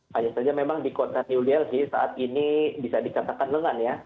hanya saja memang di kota new delhi saat ini bisa dikatakan lengan ya